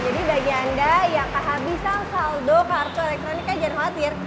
jadi bagi anda yang kehabisan saldo kartu elektronika jangan khawatir